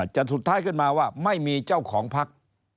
สุดท้ายขึ้นมาว่าไม่มีเจ้าของพัก